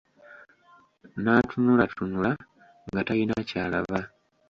Naatunulatunula nga talina ky'alaba.